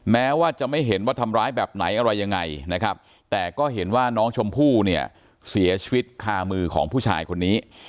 แม้ว่าจะไม่เห็นว่าทำร้ายแบบไหนอะไรยังไงนะครับแต่ก็เห็นว่าน้องชมพู่เนี่ยเสียชีวิตคามือของผู้ชายคนนี้